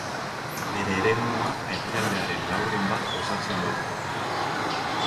Bere eremua herrialdearen laurden bat osatzen du.